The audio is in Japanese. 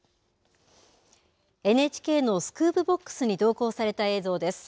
ＮＨＫのスクープＢＯＸに投稿された映像です。